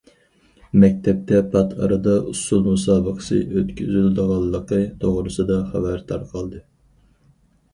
مەكتەپتە پات ئارىدا ئۇسسۇل مۇسابىقىسى ئۆتكۈزۈلىدىغانلىقى توغرىسىدا خەۋەر تارقالدى.